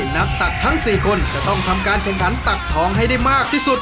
ตักทั้ง๔คนจะต้องทำการแข่งขันตักทองให้ได้มากที่สุด